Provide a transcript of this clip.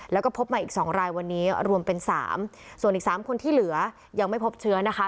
แล้วก็พบมาอีก๒รายวันนี้รวมเป็น๓ส่วนอีก๓คนที่เหลือยังไม่พบเชื้อนะคะ